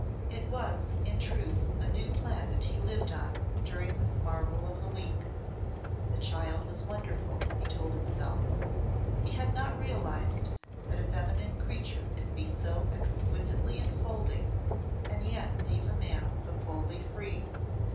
It was in truth a new planet he lived on during this marvel of a week. The child was wonderful, he told himself. He had not realised that a feminine creature could be so exquisitely enfolding and yet leave a man so wholly free.